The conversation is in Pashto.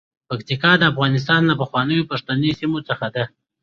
پکتیکا د افغانستان له پخوانیو پښتني سیمو څخه ده.